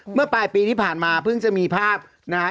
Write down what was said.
เมื่อปลายปีที่ผ่านมาเพิ่งจะมีภาพนะฮะ